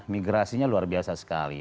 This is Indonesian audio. migrasinya luar biasa sekali